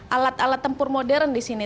alat alat tempur modern di sini